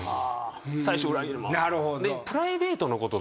最初「裏切り者」